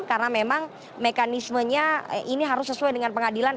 karena memang mekanismenya ini harus sesuai dengan pengadilan